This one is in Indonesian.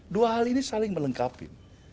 dua hal ini saling melengkapi